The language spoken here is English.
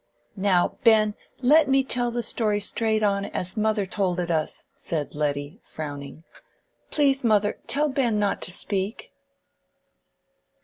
"Now, Ben, let me tell the story straight on, as mother told it us," said Letty, frowning. "Please, mother, tell Ben not to speak."